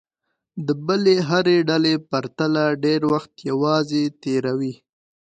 د بلې هرې ډلې پرتله ډېر وخت یوازې تېروي.